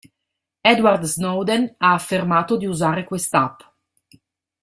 Edward Snowden ha affermato di usare quest'app.